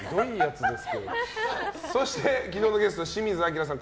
そして、昨日のゲスト清水アキラさん